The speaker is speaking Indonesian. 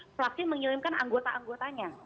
fraksi mengirimkan anggota anggotanya